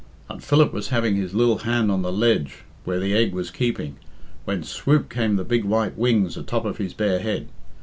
And Phil was having his lil hand on the ledge where the egg was keeping, when swoop came the big white wings atop of his bare head.